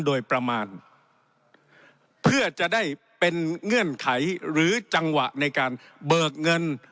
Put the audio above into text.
โดยประมาณเพื่อจะได้เป็นเงื่อนไขหรือจังหวะในการเบิกเงิน